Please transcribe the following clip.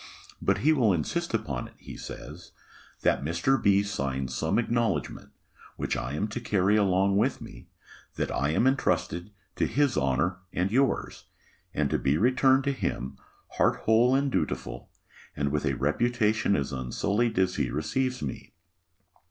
But he will insist upon it, he says, that Mr. B. signs some acknowledgment, which I am to carry along with me, that I am intrusted to his honour and yours, and to be returned to him heart whole and dutiful, and with a reputation as unsullied as he receives me.